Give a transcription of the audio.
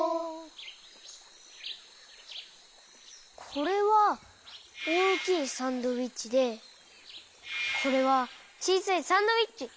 これはおおきいサンドイッチでこれはちいさいサンドイッチ。